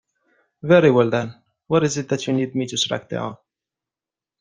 Very well then, what is it that you need me to track down?